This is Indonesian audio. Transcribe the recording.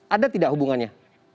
ada tidak hubungannya